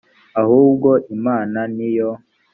ahubwo imana ni yo